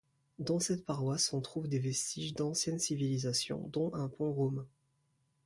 Dans cette paroisse on trouve des vestiges d'anciennes civilisations, dont un pont romain.